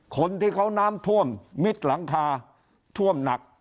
คนที่เขาน้ำท่วมมิดหลังคาท่วมหนัก